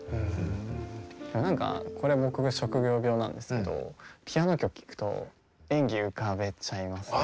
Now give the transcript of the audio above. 何かこれは僕が職業病なんですけどピアノ曲聴くと演技浮かべちゃいますね